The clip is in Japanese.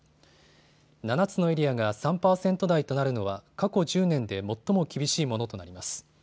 ７つのエリアが３％台となるのは過去１０年で最も厳しいものとなります。